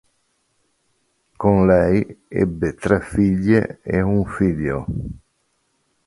Con lei ebbe tre figlie e un figlio.